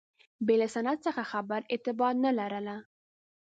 بې له سند څخه خبره اعتبار نه لرله.